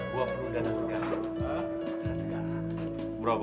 berapa lo butuh